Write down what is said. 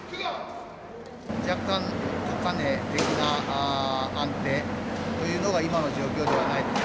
若干、高値的な安定というのが今の状況ではないか。